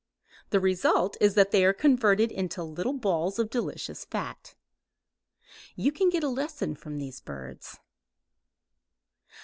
The result is that they are converted into little balls of delicious fat. You can get a lesson from these birds.